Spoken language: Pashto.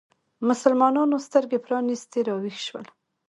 مسلمانانو سترګې پرانیستې راویښ شول